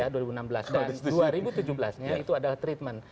dan dua ribu tujuh belas nya itu ada treatment